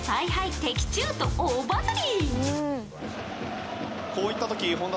的中！と大バズり。